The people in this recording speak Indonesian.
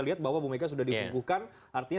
lihat bahwa bumega sudah dibungkukan artinya